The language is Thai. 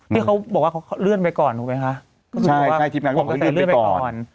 ที่เขาบอกว่าเขาเลื่อนไปก่อนถูกไหมคะใช่ใช่ทีมงานเขาบอกเขาเลื่อนไปก่อน